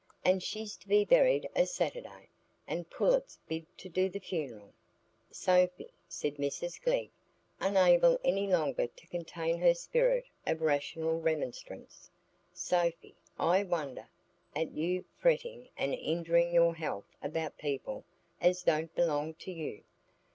And she's to be buried o' Saturday, and Pullet's bid to the funeral." "Sophy," said Mrs Glegg, unable any longer to contain her spirit of rational remonstrance,—"Sophy, I wonder at you, fretting and injuring your health about people as don't belong to you.